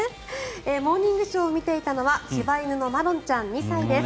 「モーニングショー」を見ていたのは柴犬のまろんちゃん、２歳です。